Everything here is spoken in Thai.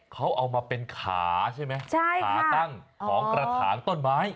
เขาเอามาเป็นขาใช่ไหมขาตั้งของกระถางต้นไม้